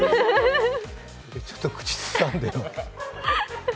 ちょっと口ずさんでよ。